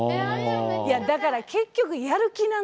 いやだから結局やる気なんすよ。